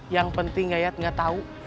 yang penting yayat gak tau